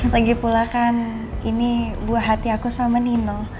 lagipula kan ini buah hati aku sama nino